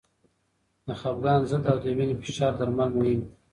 د خپګان ضد او د وینې فشار درمل مهم دي.